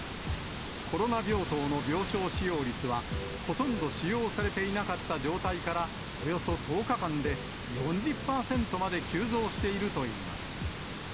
コロナ病棟の病床使用率は、ほとんど使用されていなかった状態からおよそ１０日間で４０％まで急増しているといいます。